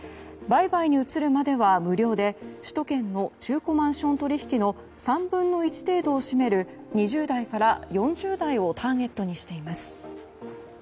売買に移るまでは無料で首都圏の中古マンション取引の３分の１程度を占める２０代から４０代をターゲットにしています。